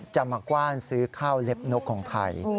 จะมากว้านซื้อข้าวเล็บนกของไทย